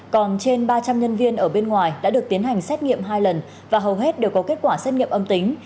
còn trên ba trăm linh nhân viên ở bên ngoài đã được tiến hành xét nghiệm hai lần và hầu hết đều có kết quả xét nghiệm âm tính